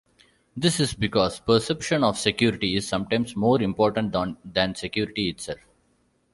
This is because "perception" of security is sometimes more important than security itself.